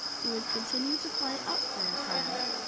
He would continue to fly up, for a time.